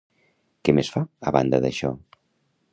Què més fa, a banda d'això?